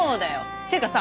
っていうかさ